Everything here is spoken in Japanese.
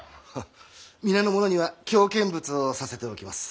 皆の者には京見物をさせておきます。